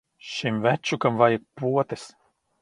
Šim večukam vajag potes.